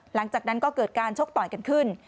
หลังจากนั้นก็เกิดการชกต่อยกันขึ้น